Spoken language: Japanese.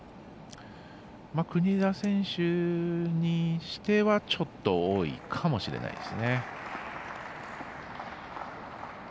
国枝選手にしてはちょっと多いかもしれないです。